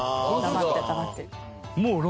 黙ってる黙ってる。